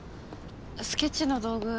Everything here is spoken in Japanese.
スケッチの道具。